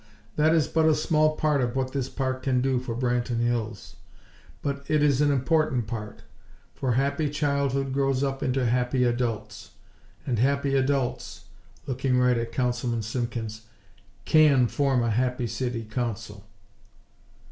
That is but a small part of what this Park can do for Branton Hills. But it is an important part; for happy childhood grows up into happy adults, and happy adults" looking right at Councilman Simpkins "can form a happy City Council."